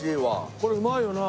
これうまいよなあ。